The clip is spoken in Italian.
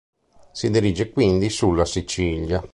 Si dirige quindi sulla Sicilia.